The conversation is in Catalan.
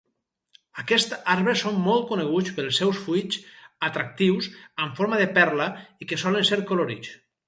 Aquests arbres són molt coneguts pels seus fruits atractius amb forma de perla i que solen ser colorits.